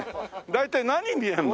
大体何見えるの？